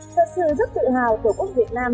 thật sự rất tự hào của quốc việt nam